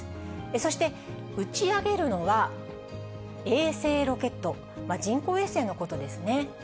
そして、打ち上げるのは衛星ロケット、人工衛星のことですね。